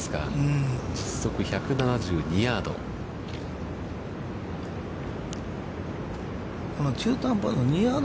実測１７２ヤード。